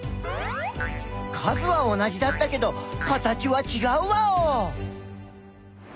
数は同じだったけど形はちがうワオ！